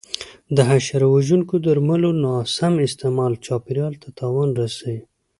د حشره وژونکو درملو ناسم استعمال چاپېریال ته تاوان رسوي.